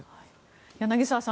柳澤さん